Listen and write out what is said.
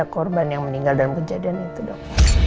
korban yang meninggal dalam kejadian itu dok